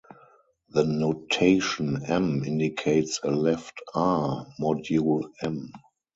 The notation "M" indicates a left "R"-module "M".